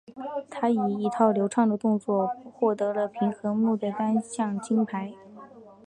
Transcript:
她以一套流畅的动作获得了平衡木的单项金牌。